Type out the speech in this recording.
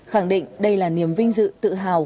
khẳng định đây là niềm vinh dự tự hào